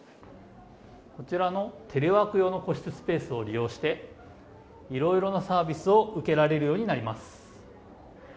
こちらのテレワーク用の個室スペースを利用していろいろなサービスを受けられるようになります。